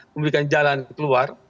memberikan jalan ke luar